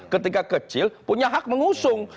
ketika kecil punya hak mengusung